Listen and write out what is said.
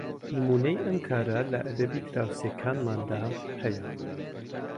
نمونەی ئەم کارە لە ئەدەبی دراوسێکانماندا هەیە